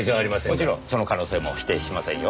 もちろんその可能性も否定しませんよ。